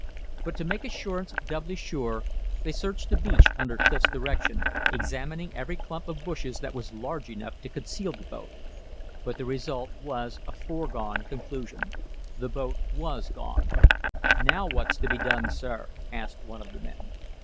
But to make assurance doubly sure, they searched the beach under Clif's direction, examining every clump of bushes that was large enough to conceal the boat. But the result was a foregone conclusion. The boat was gone. "Now what's to be done, sir?" asked one of the men.